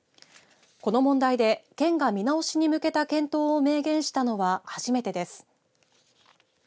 この問題で県が見直しに向けた検討を明言したのは初めてです。